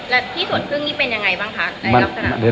แล้วที่ส่วนขึ้นนี้เป็นอย่างไรบ้างคะใดลับสถาน